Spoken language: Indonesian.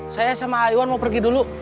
saya sama iwan mau pergi dulu